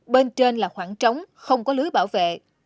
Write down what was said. bên trên là khoảng trống không có lưới bảo vệ